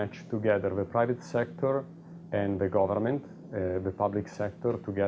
untuk memiliki satu tempat di mana mereka dapat berdiskusi